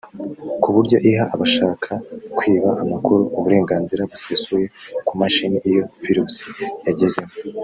ku buryo iha abashaka kwiba amakuru uburenganzira busesuye ku mashini iyo virusi yagezemo